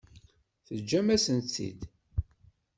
Teǧǧam-asen-tt-id.